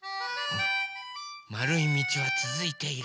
まるいみちはつづいている。